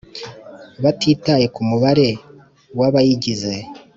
batitaye ku mubare w abayigize